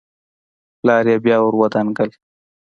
پلار يې بيا ور ودانګل.